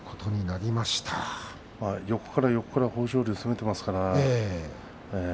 横から横から豊昇龍が攻めています。